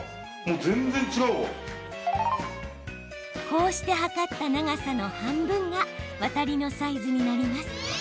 こうして測った長さの半分がワタリのサイズになります。